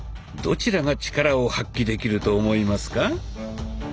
どちらがチカラを発揮できると思いますか？